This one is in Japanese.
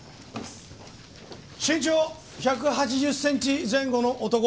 身長１８０センチ前後の男。